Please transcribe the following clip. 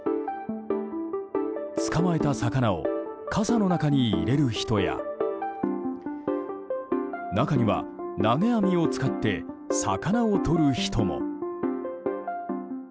捕まえた魚を傘の中に入れる人や中には、投げ網を使って魚をとる人も。